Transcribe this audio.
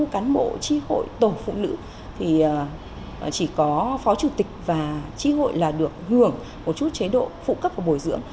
cán bộ tri hội tổ phụ nữ thì chỉ có phó chủ tịch và tri hội là được hưởng một chút chế độ phụ cấp và bồi dưỡng